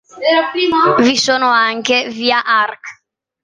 Vi sono anche: Via Arc.